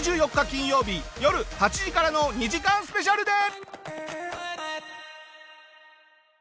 金曜日よる８時からの２時間スペシャルで！